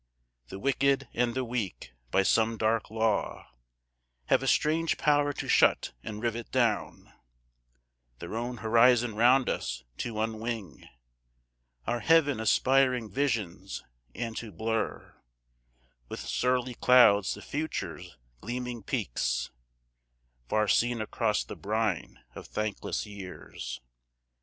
The wicked and the weak, by some dark law, Have a strange power to shut and rivet down Their own horizon round us, to unwing Our heaven aspiring visions, and to blur With surly clouds the Future's gleaming peaks, Far seen across the brine of thankless years.